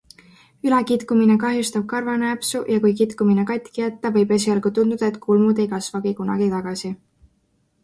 Ülekitkumine kahjustab karvanääpsu ja kui kitkumine katki jätta, võib esialgu tunduda, et kulmud ei kasvagi kunagi tagasi.